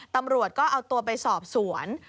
ตำรวจก็เอาตัวไปสอบสวน